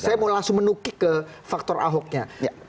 saya mau langsung menukik ke faktor ahoknya